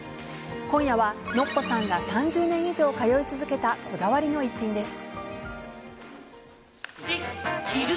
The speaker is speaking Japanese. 今夜はノッポさんが３０年以上通い続けたこだわりの一品です。